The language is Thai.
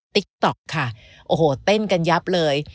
ติ๊กต๊อกค่ะเต้นกันยับเลย